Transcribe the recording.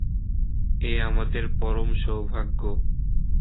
এ আমাদের পরম সৌভাগ্য।